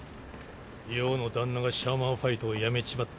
葉のダンナがシャーマンファイトをやめちまった